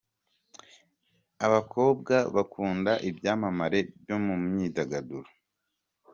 Abakobwa bakunda ibyamamare byo mu myidagaduro.